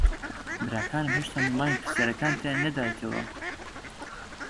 براکانم هێشتا وەڵامی پرسیارەکانتیان نەداوەتەوە.